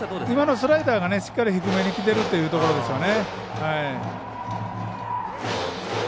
スライダーがしっかり低めにきてるというところでしょうね。